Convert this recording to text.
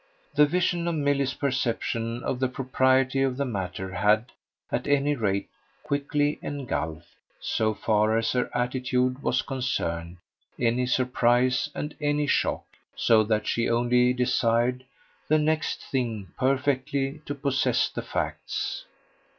The vision of Milly's perception of the propriety of the matter had, at any rate, quickly engulfed, so far as her attitude was concerned, any surprise and any shock; so that she only desired, the next thing, perfectly to possess the facts.